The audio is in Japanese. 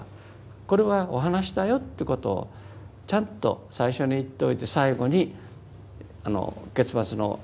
これはお話だよということをちゃんと最初に言っておいて最後に結末の言葉をつけますよね。